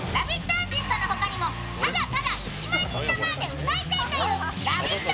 アーティストの他にも、ただただ１万人の前で歌いたいというラヴィット！